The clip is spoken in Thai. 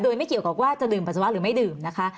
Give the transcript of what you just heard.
โดยไม่เกี่ยวกับว่าจะดื่มปัสสาวะหรือไม่ดื่มนะคะ